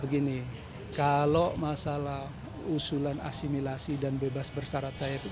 begini kalau masalah usulan asimilasi dan bebas bersarat saya itu